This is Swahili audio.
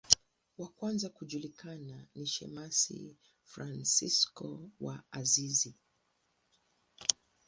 Wa kwanza kujulikana ni shemasi Fransisko wa Asizi.